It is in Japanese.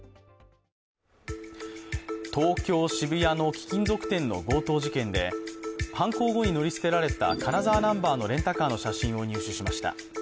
東京・渋谷の貴金属店の強盗事件で犯行後に乗り捨てられた金沢ナンバーのレンタカーの写真を入手しました。